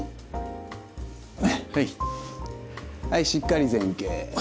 はいしっかり前傾。